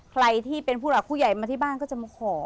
ใครที่เป็นผู้หลักผู้ใหญ่มาที่บ้านก็จะมาขอ